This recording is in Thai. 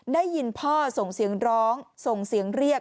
ได้ยินพ่อส่งเสียงร้องส่งเสียงเรียก